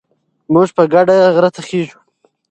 موږ په ګډه غره ته خېژو.